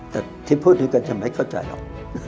แต่ที่พูดนี้ก็จะไม่เข้าใจหรอก